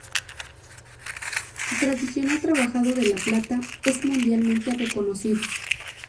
Su tradicional trabajado de la plata es mundialmente reconocido.